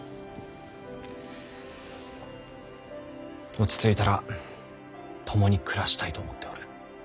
落ち着いたら共に暮らしたいと思っておる。